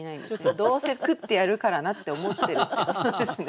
「どうせ食ってやるからな」って思ってるってことですね。